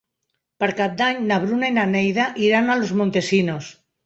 Per Cap d'Any na Bruna i na Neida iran a Los Montesinos.